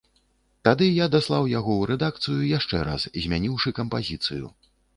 Тады я даслаў яго ў рэдакцыю яшчэ раз, змяніўшы кампазіцыю.